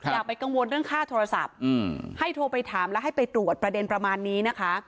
อย่าไปกังวลเรื่องค่าโทรศัพท์ให้โทรไปถามแล้วให้ไปตรวจประเด็นประมาณนี้นะคะ